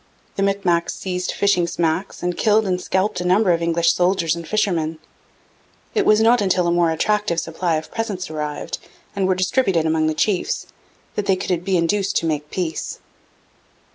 The Micmacs seized fishing smacks, and killed and scalped a number of English soldiers and fishermen. It was not until a more attractive supply of presents arrived, and were distributed among the chiefs, that they could be induced to make peace.